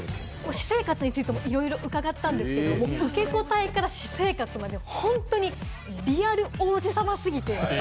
私生活についてもいろいろ伺ったんですが、受け答えから私生活、本当にリアル王子様すぎて。